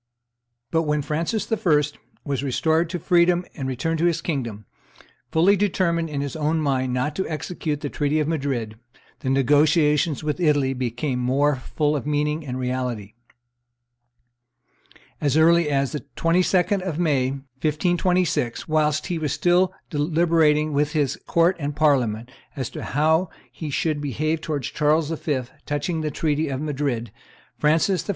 But when Francis I. was restored to freedom and returned to his kingdom, fully determined in his own mind not to execute the treaty of Madrid, the negotiations with Italy became more full of meaning and reality. As early as the 22d of May, 1526, whilst he was still deliberating with his court and Parliament as to how he should behave towards Charles V. touching the treaty of Madrid, Francis I.